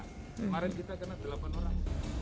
kemarin kita kena delapan orang